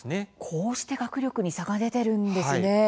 こうして学力に差が出ているんですね。